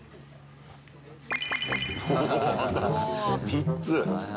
３つ。